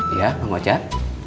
iya mau ngajak